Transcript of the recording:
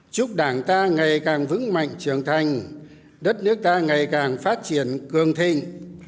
chúc đảng ta ngày càng vững mạnh trưởng thành đất nước ta ngày càng phát triển cường thịnh